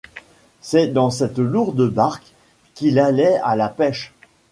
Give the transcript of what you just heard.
C’est dans cette lourde barque qu’il allait à la pêche.